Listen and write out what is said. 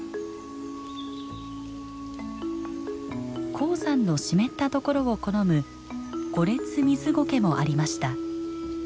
高山の湿ったところを好むゴレツミズゴケもありました。